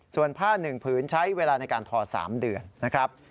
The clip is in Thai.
ส่วนผ้า๑ผืนใช้เวลาในการทอ๓เดือนนะครับ